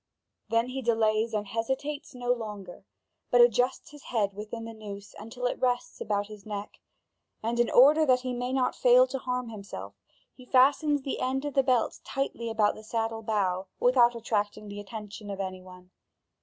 Then he delays and hesitates no longer, but adjusts his head within the noose until it rests about his neck; and in order that he may not fail to harm himself, he fastens the end of the belt tightly about the saddle bow, without attracting the attention of any one.